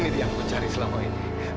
ini dia yang aku cari selama ini